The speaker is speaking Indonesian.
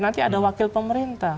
nanti ada wakil pemerintah